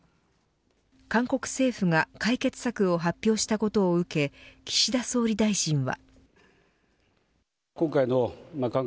韓国政府が解決策を発表したことを受け岸田総理大臣は。